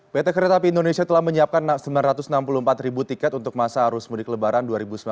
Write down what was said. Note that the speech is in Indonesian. pt kereta api indonesia telah menyiapkan sembilan ratus enam puluh empat ribu tiket untuk masa arus mudik lebaran dua ribu sembilan belas